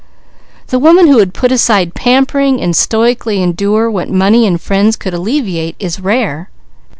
The woman who would put aside pampering and stoically endure what money and friends could alleviate is rare.